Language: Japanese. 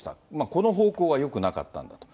この方向がよくなかったんだと。